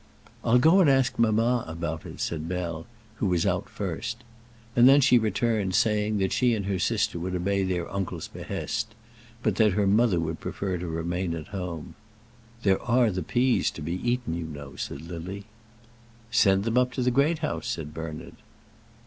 "I'll go and ask mamma about it," said Bell, who was out first. And then she returned, saying, that she and her sister would obey their uncle's behest; but that her mother would prefer to remain at home. "There are the peas to be eaten, you know," said Lily. "Send them up to the Great House," said Bernard.